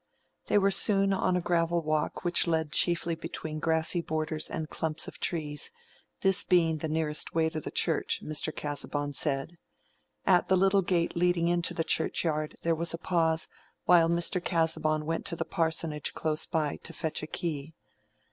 They were soon on a gravel walk which led chiefly between grassy borders and clumps of trees, this being the nearest way to the church, Mr. Casaubon said. At the little gate leading into the churchyard there was a pause while Mr. Casaubon went to the parsonage close by to fetch a key.